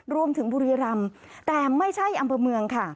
บุรีรำแต่ไม่ใช่อำเภอเมืองค่ะ